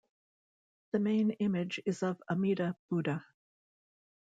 The main image is of Amida Buddha.